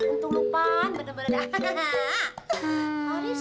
untung lupaan bener bener